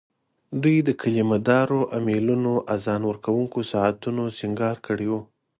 دوی د کلیمه دارو امېلونو، اذان ورکوونکو ساعتو سینګار کړي وو.